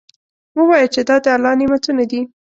ووایه چې دا د الله نعمتونه دي.